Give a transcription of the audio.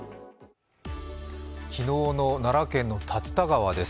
昨日の奈良県の竜田川です。